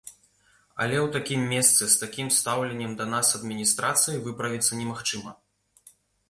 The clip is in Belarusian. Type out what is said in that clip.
Але ў такім месцы, з такім стаўленнем да нас адміністрацыі выправіцца немагчыма.